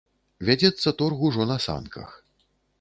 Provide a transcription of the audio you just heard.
Вядзецца торг ужо на санках.